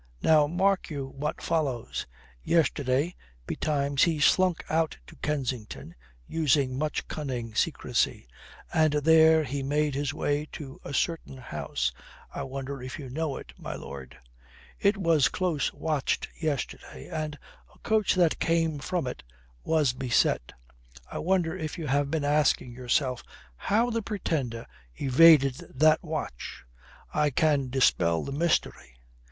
Now mark you what follows. Yesterday betimes he slunk out to Kensington, using much cunning secrecy. And there he made his way to a certain house I wonder if you know it, my lord? It was close watched yesterday, and a coach that came from it was beset. I wonder if you have been asking yourself how the Pretender evaded that watch. I can dispel the mystery.